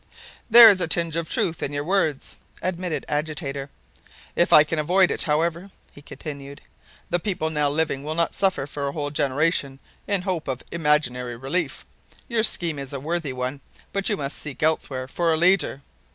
"There is a tinge of truth in your words," admitted Agitator. "If I can avoid it however," he continued, "the people now living will not suffer for a whole generation in hope of imaginary relief. Your scheme is a worthy one, but you must seek elsewhere for a leader.